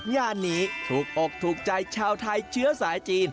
อย่างนี้ทุกอกทุกใจชาวไทยเชื้อสายจีน